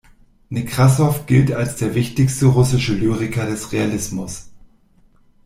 Nekrassow gilt als der wichtigste russische Lyriker des Realismus.